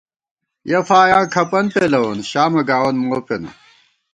یَہ فایاں کھپَن پېلَوون ،شامہ گاوون مو پېنہ